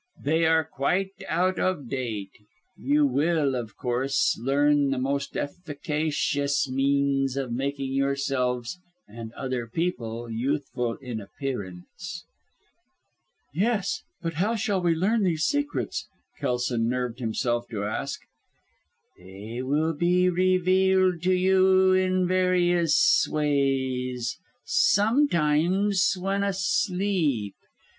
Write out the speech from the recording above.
They are quite out of date. You will, of course, learn the most efficacious means of making yourselves and other people youthful in appearance." "Yes, but how shall we learn these secrets?" Kelson nerved himself to ask. "They will be revealed to you in various ways sometimes when asleep.